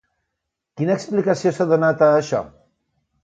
Quina explicació s'ha donat a això?